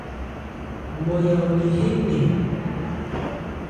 Nmɔya ole hɛ́n nnɛn.